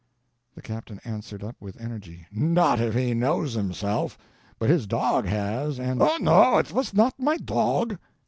The captain answered up with energy: "Not if he knows himself! But his dog has, and—" "Oh, no, it vas not my dog."